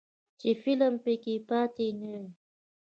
چې فلم پکې پاتې نه وي.